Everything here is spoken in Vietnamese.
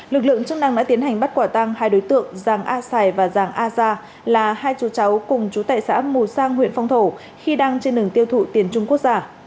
lực lượng chức năng đã tiến hành bắt quả tăng hai đối tượng giàng a sài và giàng a gia là hai chú cháu cùng chú tại xã mù sang huyện phong thổ khi đang trên đường tiêu thụ tiền trung quốc giả